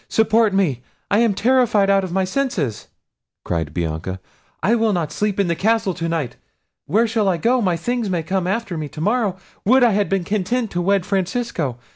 —support me! I am terrified out of my senses," cried Bianca. "I will not sleep in the castle to night. Where shall I go? my things may come after me to morrow—would I had been content to wed Francesco!